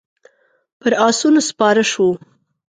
پر آسونو سپاره شوو.